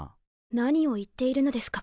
何を言っているのですか？